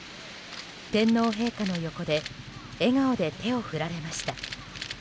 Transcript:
天皇陛下の横で笑顔で手を振られました。